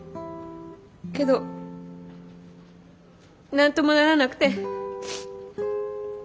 けど何ともならなくて。